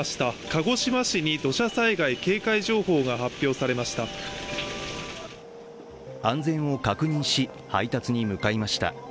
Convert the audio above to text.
鹿児島市に土砂災害警戒情報が発表されました安全を確認し、配達に向かいました。